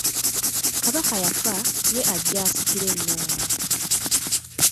Kabaka yafa, ye ajje asikire ennoma.